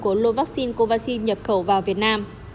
của lô vaccine covaxin nhập khẩu vào việt nam